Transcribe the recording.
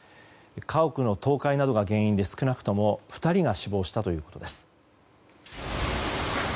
家屋の倒壊などが原因で少なくとも２人が死亡したということです。